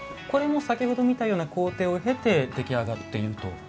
これも先ほど見たような工程を経て出来上がっていると。